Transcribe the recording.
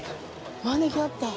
招きあった。